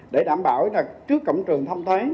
để đảm bảo là trước cổng trường thông thoáng